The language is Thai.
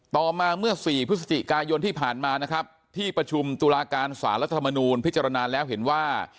ต่อมาเมื่อ๔พฤศจิกายนที่ผ่านมานะครับที่ประชุมตุลาการสารรัฐมนูลพิจารณาแล้วเห็นว่า